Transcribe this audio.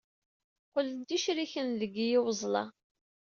Qqlen d icriken deg yiweẓla.